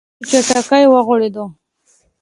اقتصاد په چټکۍ وغوړېد.